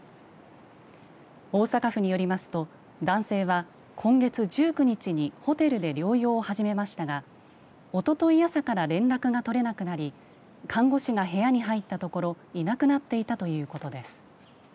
大阪府によりますと男性は今月１９日にホテルで療養を始めましたがおととい朝から連絡が取れなくなり看護師が部屋に入ったところいなくなっていたということです。